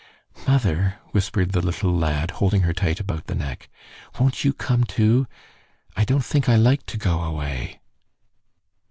"Mother," whispered the little lad, holding her tight about the neck, "won't you come, too? I don't think I like to go away."